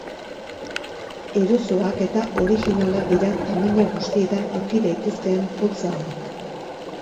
Erosoak eta originalak dira tamaina guztietan aurki daitezkeen poltsa hauek.